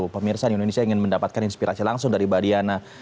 pemirsa di indonesia ingin mendapatkan inspirasi langsung dari mbak diana